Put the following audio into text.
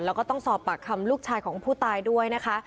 แล้วก็ต้องสอบปากคำลูกชายของผู้ตายด้วยนะคะ